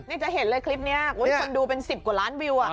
นี่จะเห็นเลยคลิปนี้คนดูเป็น๑๐กว่าล้านวิว